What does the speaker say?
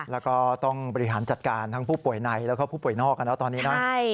แล้วก็ต้องบริหารจัดการทั้งผู้ป่วยในแล้วก็ผู้ป่วยนอกตอนนี้นะ